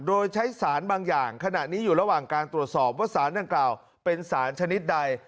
โดยใช้สารบางอย่างขณะนี้อยู่ระหว่างการตรวจสอบว่าสารดังกล่าวเป็นสารชนิดใด